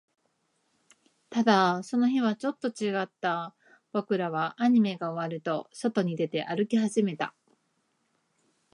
ただ、その日はちょっと違った。僕らはアニメが終わると、外に出て、歩き始めた。